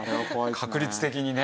確率的にね。